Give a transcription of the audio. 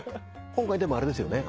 今回でもあれですよね。